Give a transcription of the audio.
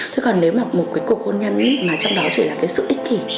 thế còn nếu mà một cuộc hôn nhân mà trong đó chỉ là sự ích kỷ